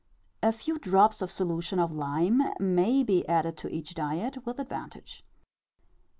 A few drops of solution of lime may be added to each diet with advantage.